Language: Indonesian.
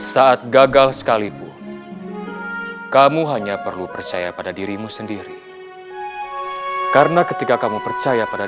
saat gagal sekalipun kamu hanya perlu percaya pada dirimu sendiri karena ketika kamu percaya pada